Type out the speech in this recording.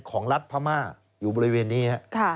ของรัฐพม่าอยู่บริเวณนี้ครับ